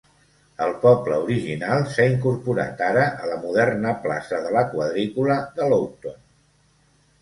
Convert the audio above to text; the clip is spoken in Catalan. El poble original s'ha incorporat ara a la moderna "plaça de la quadrícula" de Loughton.